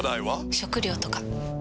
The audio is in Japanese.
食料とか？